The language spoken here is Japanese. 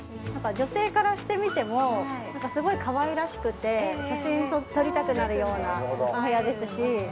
女性からしてみてもすごい可愛らしくて写真を撮りたくなるようなお部屋ですし。